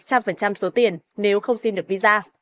hoàn trả một trăm linh số tiền nếu không xin được visa